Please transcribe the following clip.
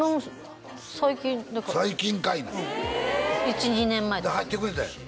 最近だから最近かいな１２年前とか入ってくれたんや？